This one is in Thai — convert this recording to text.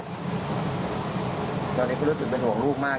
ตอนนี้ก็รู้สึกเป็นห่วงลูกมาก